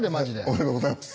おめでとうございます。